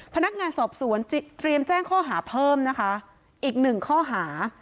พนักงานสอบสวนเตรียมแจ้งข้อหาเพิ่มนะคะอีกหนึ่งข้อหา